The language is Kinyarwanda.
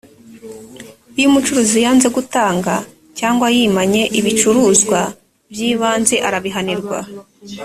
iyo umucuruzi yanze gutanga cyangwa yimanye ibicuruzwa by’ibanze, arabihanirwa